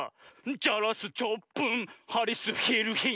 「ジャラスチョップンハリスヒルヒン」